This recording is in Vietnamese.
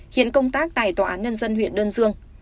hiện công tác tại tòa án nhân dân huyện đơn dương